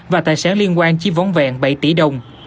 và tài sản liên quan chỉ vốn vẹn bảy tỷ đồng